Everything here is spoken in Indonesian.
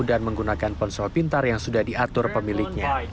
dan menggunakan ponsel pintar yang sudah diatur pemiliknya